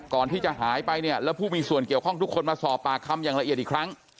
ก่อนที่จะหายไปเนี่ยแล้วผู้มีส่วนเกี่ยวข้องทุกคนมาสอบปากคำอย่างละเอียดอีกครั้ง